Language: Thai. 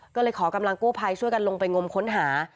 ก็เลยขอกำลังกู้ภัยช่วยกันลงไปงมค้นหา